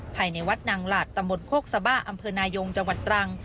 ภายในวัดนางหลาดตำบลโคกสบ้าอำเภอนายงจังหวัดตรัง